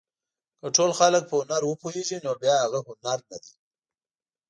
که ټول خلک په هنر وپوهېږي نو بیا هغه هنر نه دی.